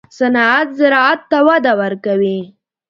صنعت زراعت ته وده ورکوي